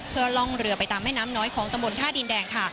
เพื่อล่องเรือไปตามแม่น้ำน้อยของตำบลท่าดินแดงค่ะ